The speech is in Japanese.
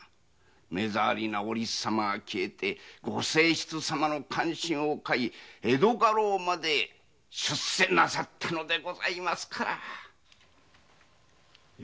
目障りなおりつ様が消えてご正室様の歓心を買い江戸家老まで出世なさったのでございますから。